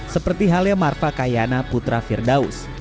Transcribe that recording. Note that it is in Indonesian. seperti halnya marfa kayana putra firdaus